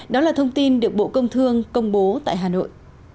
đó là thông tin được bộ công thương công bố tại hà nội